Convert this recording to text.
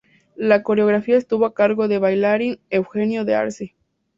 La coreografía estuvo a cargo del bailarín Eugenio D'Arcy.